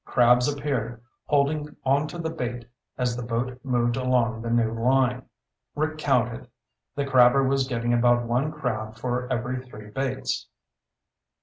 Crabs appeared, holding onto the bait as the boat moved along the new line. Rick counted. The crabber was getting about one crab for every three baits.